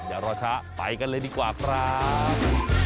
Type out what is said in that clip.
อย่ารอช้าไปกันเลยดีกว่าครับ